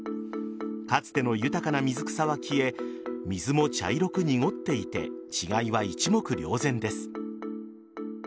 かつての豊かな水草は消え水も茶色く濁っていて違いは一目瞭然です。